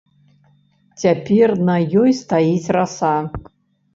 Цяпер на ёй стаіць раса.